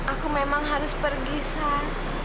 aku memang harus pergi sah